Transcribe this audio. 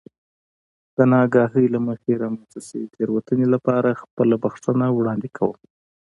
د نااګاهۍ له مخې رامنځته شوې تېروتنې لپاره خپله بښنه وړاندې کوم.